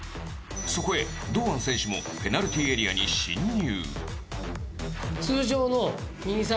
そこへ、堂安選手もペナルティーエリアに進入。